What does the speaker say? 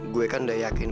gue kan udah yakin